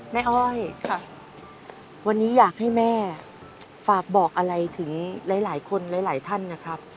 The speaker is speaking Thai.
อ้อยวันนี้อยากให้แม่ฝากบอกอะไรถึงหลายคนหลายท่านนะครับ